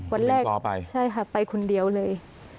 วันแรกไปคุณเดียวเลย